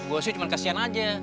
gue sih cuma kasihan aja